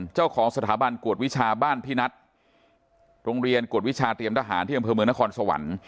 เจ้าของสถาบันกวดวิชาบ้านพี่นัทโรงเรียนกวดวิชาเตรียมทหารที่อำเภอเมืองนครสวรรค์